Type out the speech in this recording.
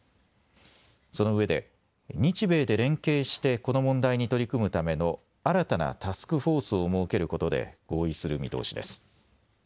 そのうえで日米で連携してこの問題に取り組むための新たなタスクフォースを設けることで合意する見通しです。